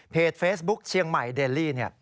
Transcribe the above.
เพจเฟซบุ๊กเชียงใหม่เดอร์ลี่